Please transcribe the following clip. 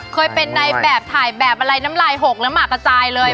เคยเป็นในแบบถ่ายแบบอะไรน้ำลายหกแล้วหมากกระจายเลย